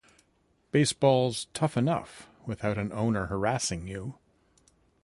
Baseball's tough enough without an owner harassing you.